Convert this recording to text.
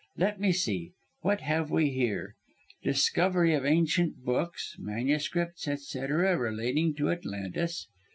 Let me see, what have we here? 'Discovery of ancient books, manuscripts, etc., relating to Atlantis.'